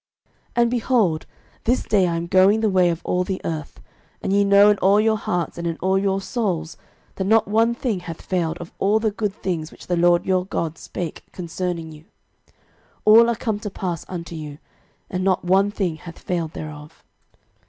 06:023:014 And, behold, this day I am going the way of all the earth: and ye know in all your hearts and in all your souls, that not one thing hath failed of all the good things which the LORD your God spake concerning you; all are come to pass unto you, and not one thing hath failed thereof.